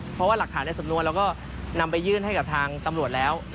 เพราะว่าหลักฐานในสำนวนเราก็นำไปยื่นให้กับทางตำรวจแล้ว